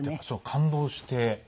感動して。